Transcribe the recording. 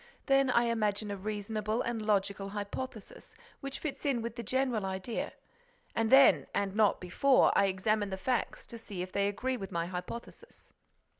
Then I imagine a reasonable and logical hypothesis, which fits in with the general idea. And then, and not before, I examine the facts to see if they agree with my hypothesis."